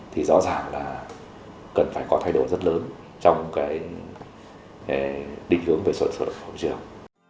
thì rõ ràng là cần phải có thay đổi rất lớn trong cái định hướng về sở hữu trường